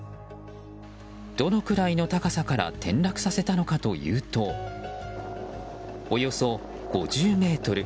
どのくらいの高さから転落させたのかというとおよそ５０ｍ。